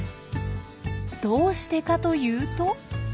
どうしてかというと。